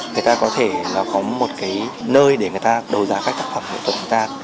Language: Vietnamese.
người ta có thể có một cái nơi để người ta đấu giá các tác phẩm nghệ thuật của ta